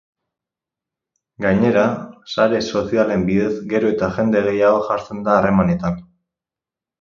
Gainera, sare sozialen bidez gero eta jende gehiago jartzen da harremanetan.